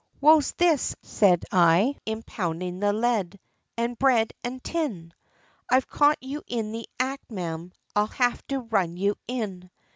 "Wot's this," said I, impounding the lead, and bread, and tin; "I've caught you in the act, ma'am, I'll have to run you in."